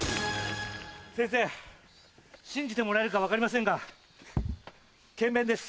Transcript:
先生信じてもらえるか分かりませんが検便です。